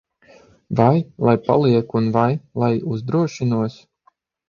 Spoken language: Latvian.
Vai lai palieku un vai lai uzdrošinos?